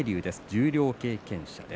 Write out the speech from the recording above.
十両経験者、